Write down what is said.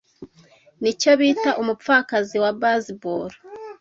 Nicyo bita umupfakazi wa baseball.